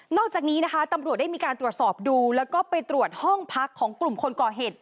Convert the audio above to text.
อกจากนี้นะคะตำรวจได้มีการตรวจสอบดูแล้วก็ไปตรวจห้องพักของกลุ่มคนก่อเหตุ